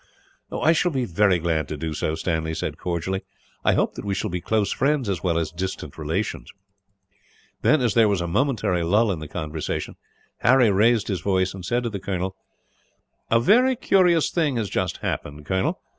"I shall be very glad to do so," Stanley said, cordially. "I hope that we shall be close friends, as well as distant relations." Then, as there was a momentary lull in the conversation, Harry raised his voice and said to the colonel: "A very curious thing has just happened, Colonel.